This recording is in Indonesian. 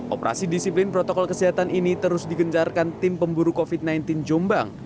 operasi disiplin protokol kesehatan ini terus digencarkan tim pemburu covid sembilan belas jombang